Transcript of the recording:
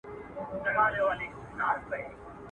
د پاچا په انتخاب کي سر ګردان وه.